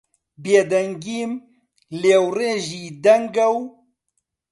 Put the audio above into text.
بێدەنگیم لێوڕێژی دەنگە و